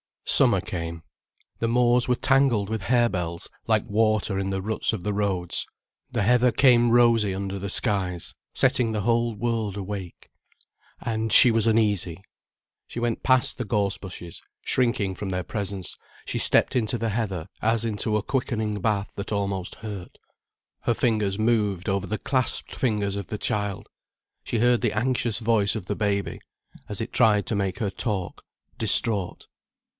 Summer came, the moors were tangled with harebells like water in the ruts of the roads, the heather came rosy under the skies, setting the whole world awake. And she was uneasy. She went past the gorse bushes shrinking from their presence, she stepped into the heather as into a quickening bath that almost hurt. Her fingers moved over the clasped fingers of the child, she heard the anxious voice of the baby, as it tried to make her talk, distraught.